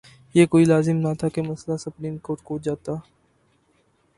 یہ کوئی لازم نہ تھا کہ مسئلہ سپریم کورٹ کو جاتا۔